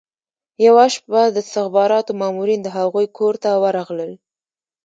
یوه شپه د استخباراتو مامورین د هغوی کور ته ورغلل